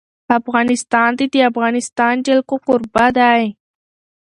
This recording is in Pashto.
افغانستان د د افغانستان جلکو کوربه دی.